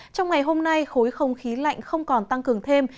trong ngày hôm nay khối không khí lạnh không còn tăng cường thêm